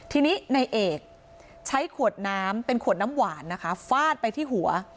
ทีนี้ในเอกใช้ขวดน้ำเป็นขวดน้ำหวานนะคะฟาดไปที่หัว